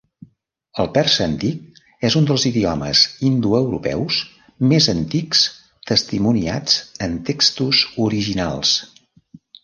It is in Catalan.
El persa antic és un dels idiomes indoeuropeus més antics testimoniats en textos originals.